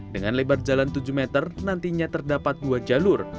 dengan lebar jalan tujuh meter nantinya terdapat dua jalur